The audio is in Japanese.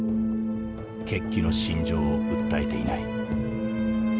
決起の真情を訴えていない。